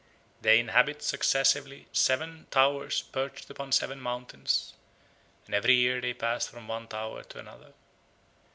They inhabit successively seven towers perched upon seven mountains, and every year they pass from one tower to another.